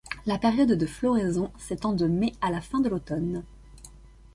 La période de floraison s’étend de mai à la fin de l’automne.